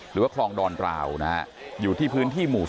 หรือว่าของดอนกราวอยู่ที่พื้นที่หมู่๑๑